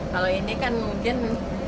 kalau ini kan mungkin